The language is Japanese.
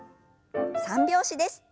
三拍子です。